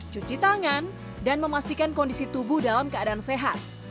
cuci tangan dan memastikan kondisi tubuh dalam keadaan sehat